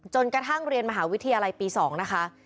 จนกระทั่งเรียนมหาวิทยาลัยปี๒นะคะ